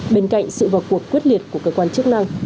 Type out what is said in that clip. bên cạnh sự vào cuộc quyết liệt của cơ quan chức năng